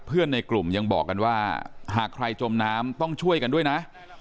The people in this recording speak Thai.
ในกลุ่มยังบอกกันว่าหากใครจมน้ำต้องช่วยกันด้วยนะ